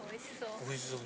・おいしそう・・